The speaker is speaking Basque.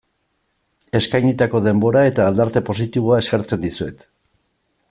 Eskainitako denbora eta aldarte positiboa eskertzen dizuet.